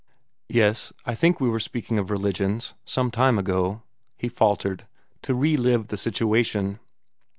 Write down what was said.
"Yes I think we were speaking of religions some time ago," he faltered, to relieve the situation.